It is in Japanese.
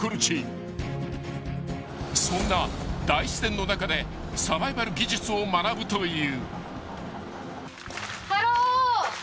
［そんな大自然の中でサバイバル技術を学ぶという］